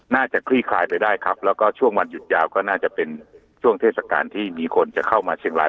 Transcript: คลี่คลายไปได้ครับแล้วก็ช่วงวันหยุดยาวก็น่าจะเป็นช่วงเทศกาลที่มีคนจะเข้ามาเชียงราย